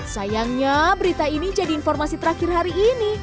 sayangnya berita ini jadi informasi terakhir hari ini